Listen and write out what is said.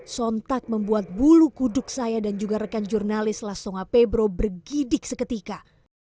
sontak membuat bulu kuduk saya dan juga rekan jurnalis lasonga pebro bergidik seketika